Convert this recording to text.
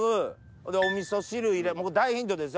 ほいでお味噌汁入れ大ヒントですよ。